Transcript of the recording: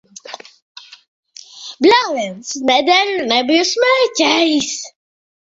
Bļāviens! Nedēļu nebiju smēķējis.